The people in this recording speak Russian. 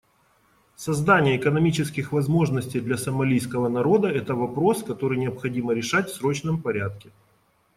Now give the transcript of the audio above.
Создание экономических возможностей для сомалийского народа — это вопрос, который необходимо решать в срочном порядке.